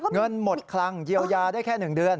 เงินหมดคลังเยียวยาได้แค่๑เดือน